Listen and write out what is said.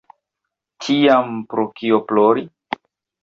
Tiam pro kio plori?